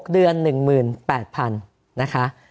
เดือน๑๘๐๐๐นะคะ